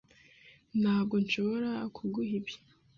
Ntabwo nshobora kuguha ibi.